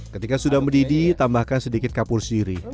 ketika sudah mendidih tambahkan sedikit kapur siri